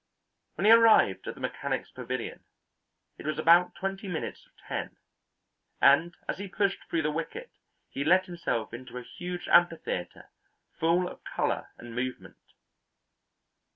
When he arrived at the Mechanics' Pavilion, it was about twenty minutes of ten, and as he pushed through the wicket he let himself into a huge amphitheatre full of colour and movement.